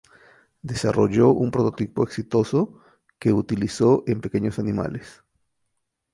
Desarrolló un prototipo exitoso, que utilizó en pequeños animales.